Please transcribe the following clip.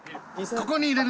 ここに入れる？